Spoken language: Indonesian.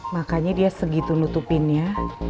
makanya dia segitu nutupinnya